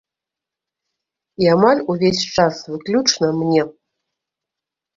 І амаль увесь час выключна мне!